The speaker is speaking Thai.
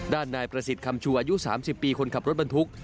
นายประสิทธิ์คำชูอายุ๓๐ปีคนขับรถบรรทุก